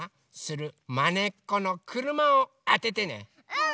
うん！